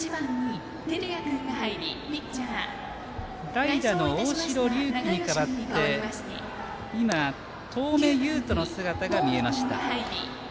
代打の大城龍紀に代わって今當銘雄人の姿が見えました。